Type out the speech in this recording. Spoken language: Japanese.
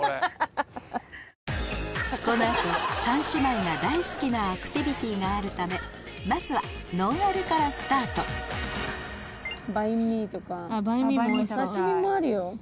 この後三姉妹が大好きなアクティビティーがあるためまずはノンアルからスタートバインミーとか刺身もあるよ。